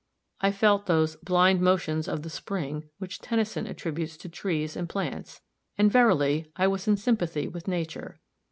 I felt those "blind motions of the spring," which Tennyson attributes to trees and plants. And verily, I was in sympathy with nature.